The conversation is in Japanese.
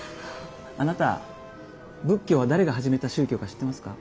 あなた仏教は誰が始めた宗教か知ってますか？